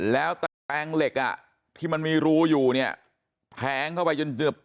แล้วตะแกรงเหล็กอ่ะที่มันมีรูอยู่เนี่ยแทงเข้าไปจนเกือบ